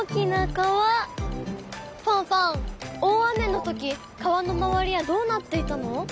ファンファン大雨のとき川の周りはどうなっていたの？